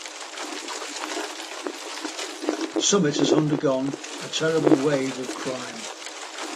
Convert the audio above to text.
Summit has undergone a terrible wave of crime.